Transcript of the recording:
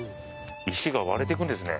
石が割れてくんですね。